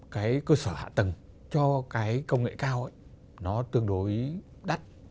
cái cơ sở hạ tầng cho cái công nghệ cao ấy nó tương đối đắt